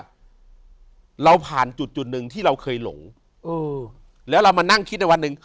แล้วเราผ่านจุดนึงที่เราเคยหลงแล้วเรามานั่งคิดในวันนึงโฮย